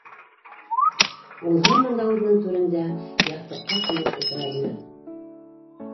Ул һаман да үҙенең түрендә яҫтыҡҡа сумып ултыра ине.